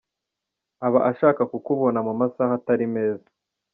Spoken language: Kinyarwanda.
Aba ashaka ku kubona mu masaha atari meza.